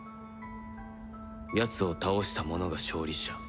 やつを倒した者が勝利者。